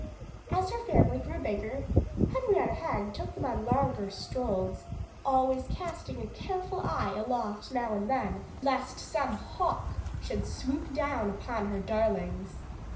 As her family grew bigger, Henrietta Hen took them on longer strolls, always casting a careful eye aloft now and then, lest some hawk should swoop down upon her darlings.